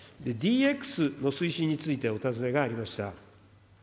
ＤＸの推進についてお尋ねがありました。